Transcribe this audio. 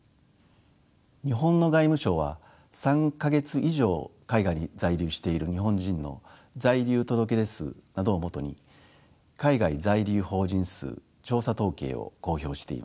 日本の外務省は３か月以上海外に在留している日本人の在留届出数などを基に海外在留邦人数調査統計を公表しています。